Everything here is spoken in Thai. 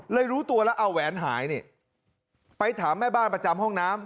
รู้ตัวแล้วเอาแหวนหายนี่ไปถามแม่บ้านประจำห้องน้ำ